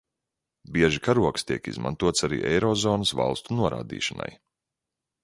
Bieži karogs tiek izmantots arī eirozonas valstu norādīšanai.